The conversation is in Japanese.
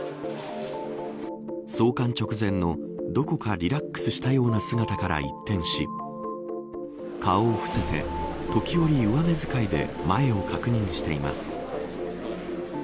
送還直前のどこかリラックスしたような姿から一転し顔を伏せて時折上目遣いで前を確認しています。